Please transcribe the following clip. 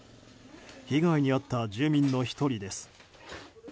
被害に遭った住民の１人です。